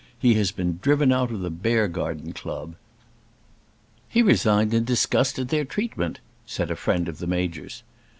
He has been driven out of the Beargarden Club." "He resigned in disgust at their treatment," said a friend of the Major's.